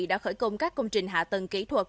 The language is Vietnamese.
đã khởi công các công trình hạ tầng kỹ thuật